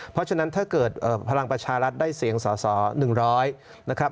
เพราะฉะนั้นถ้าเกิดพลังประชารัฐได้เสียงสอสอ๑๐๐นะครับ